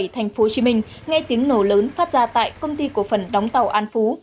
tp hcm nghe tiếng nổ lớn phát ra tại công ty cổ phần đóng tàu an phú